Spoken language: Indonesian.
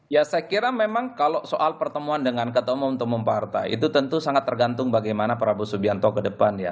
ya saya kira memang kalau soal pertemuan dengan ketua umum partai itu tentu sangat tergantung bagaimana prabowo subianto ke depan ya